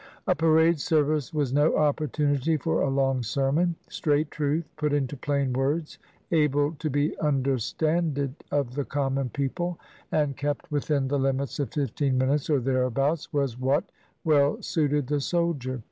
A parade service was no opportunity for a long sermon. Straight truth, put into plain words, "able to be understanded of the common people," and kept within the limits of fifteen minutes or thereabouts, was what well suited the soldier.